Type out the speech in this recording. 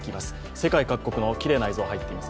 世界各国のきれいな映像、入っています。